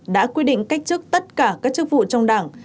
đã quyết định cách trước tất cả các chức vụ trong đảng